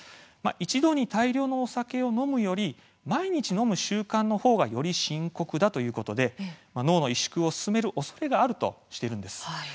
一度に大量のお酒を飲むより毎日飲む習慣のほうがより深刻だということで脳の萎縮を進めるおそれがあるとしています。